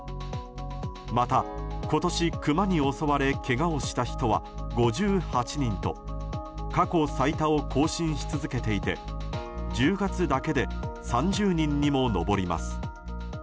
また今年、クマに襲われけがをした人は５８人と過去最多を更新し続けていて１０月だけで３０人にも上ります。